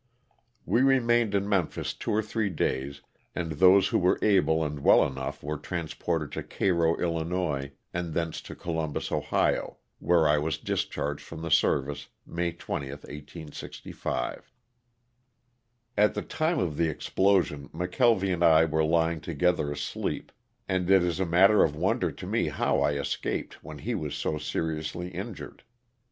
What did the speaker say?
We remained in Memphis two or three days and those who were able and well enough were transported to Cairo, 111., and thence to Columbus, Ohio, where I was dis charged from the service May 20, 1865. At the time of the explosion McKelvy and I were lying together asleep, and it is a matter of wonder to me how I escaped when he was so seriously injured.